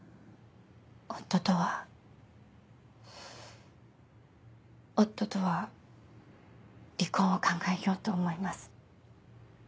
夫とは夫とは離婚を考えようと思います。